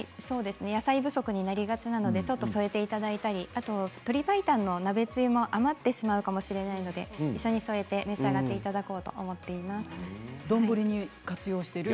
野菜不足になりがちなのでちょっと添えていただいたり鶏パイタンの鍋つゆも余ってしまうかもしれないので一緒に添えて召し上がっていただこう丼に活用している。